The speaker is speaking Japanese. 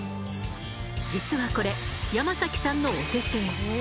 実はこれ山崎さんのお手製。